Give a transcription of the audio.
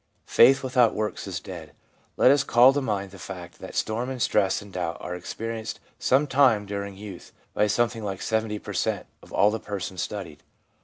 Faith without works is dead/ Let us call to mind the fact that storm and stress and doubt are experienced some time during youth by something like 70 per cent, of all the persons studied.